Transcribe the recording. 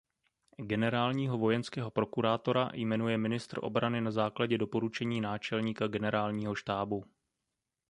Generálního vojenského prokurátora jmenuje ministr obrany na základě doporučení náčelníka Generálního štábu.